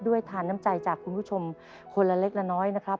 ทานน้ำใจจากคุณผู้ชมคนละเล็กละน้อยนะครับ